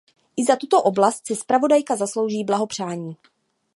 I za tuto oblast si zpravodajka zaslouží blahopřání.